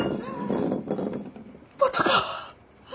またか。